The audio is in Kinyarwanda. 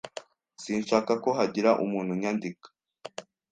Sinshaka ko hagira umuntu unyandika